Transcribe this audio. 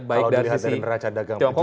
baik dari sisi tiongkok dan juga amerika